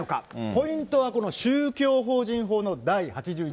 ポイントはこの宗教法人法の第８１条。